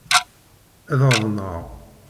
Ad aḍneɣ.